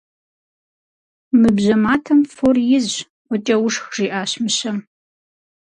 Мы бжьэ матэм фор изщ, фӏыкӏэ ушх, - жиӏащ мыщэм.